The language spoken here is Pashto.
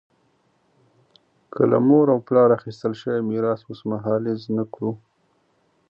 که له مور او پلار اخیستل شوی میراث اوسمهالیز نه کړو.